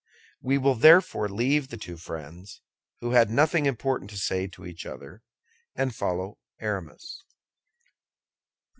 We will therefore leave the two friends, who had nothing important to say to each other, and follow Aramis.